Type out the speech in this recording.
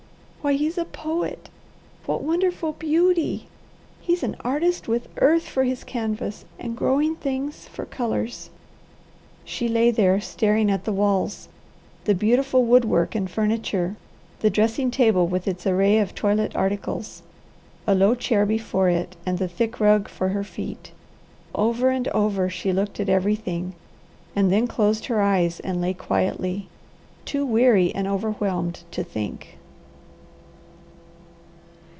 Why he's a poet! What wonderful beauty! He's an artist with earth for his canvas, and growing things for colours." She lay there staring at the walls, the beautiful wood work and furniture, the dressing table with its array of toilet articles, a low chair before it, and the thick rug for her feet. Over and over she looked at everything, and then closed her eyes and lay quietly, too weary and overwhelmed to think.